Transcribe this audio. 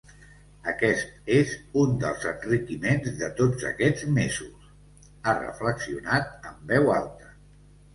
Aquest és un dels enriquiments de tots aquests mesos, ha reflexionat en veu alta.